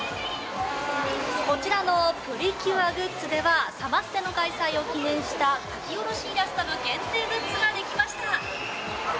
こちらのプリキュアグッズではサマステの開催を記念した描き下ろしイラストの限定グッズができました。